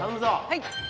はい！